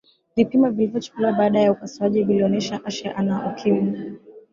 vipimo vilivyochukuliwa baada ya upasuaji vilionesha ashe ana ukimwi